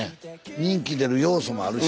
人気出る要素もあるし。